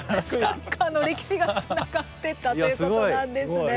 サッカーの歴史がつながってたということなんですね。